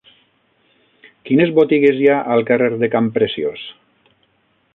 Quines botigues hi ha al carrer de Campreciós?